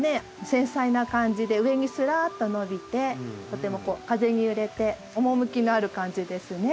繊細な感じで上にすらっと伸びてとても風に揺れておもむきのある感じですね。